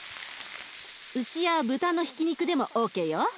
牛や豚のひき肉でもＯＫよ。